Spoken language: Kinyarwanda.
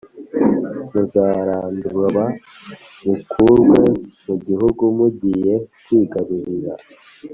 muzarandurwa mukurwe mu gihugu mugiye kwigarurira